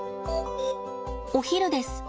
お昼です。